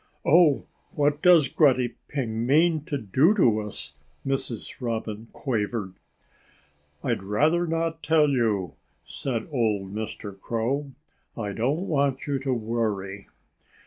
"Oh, what does Grunty Pig mean to do to us?" Mrs. Robin quavered. "I'd rather not tell you," said old Mr. Crow. "I don't want you to worry."